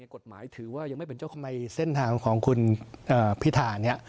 กฎหมายถือว่ายังไม่เป็นเจ้าของในเส้นทางของคุณพิธาเนี่ย